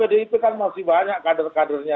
kalau pdit kan masih banyak kader kadernya